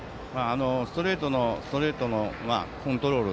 ストレートのコントロール